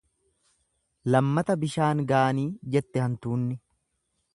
Lammata bishaan gaanii jette hantuunni.